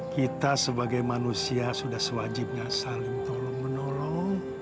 kita sebagai manusia sudah sewajibnya saling tolong menolong